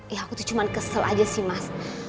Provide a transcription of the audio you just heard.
ya aku tuh cuma kesel aja sih mas